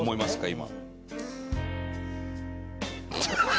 今。